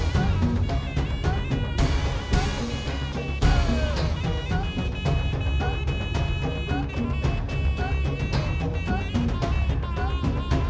jangan jalan jangan jalan